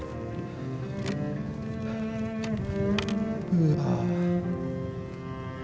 うわ。